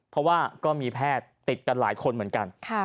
เพราะว่าก็มีแพทย์ติดกันหลายคนเหมือนกัน